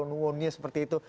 bulon bulonnya seperti itu